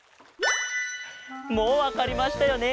もうわかりましたよね？